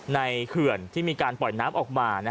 เขื่อนที่มีการปล่อยน้ำออกมา